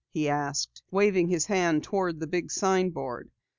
he asked, waving his hand toward the big signboard.